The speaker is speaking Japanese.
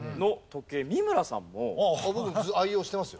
僕も愛用してますよ。